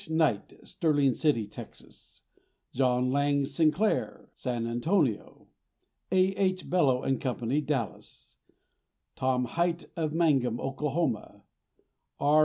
Knight, Sterling City, Texas; John Lang Sinclair, San Antonio; A.H. Belo & Co., Dallas; Tom Hight, of Mangum, Oklahoma; R.